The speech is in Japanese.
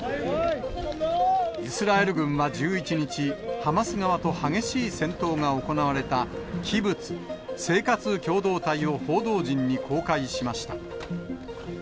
イスラエル軍は１１日、ハマス側と激しい戦闘が行われた、キブツ、生活共同体を報道陣に公開しました。